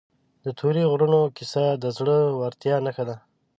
د تورې غرونو کیسه د زړه ورتیا نښه ده.